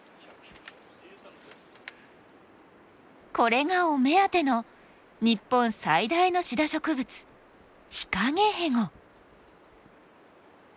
これがお目当ての日本最大のシダ植物ヒカゲヘゴ。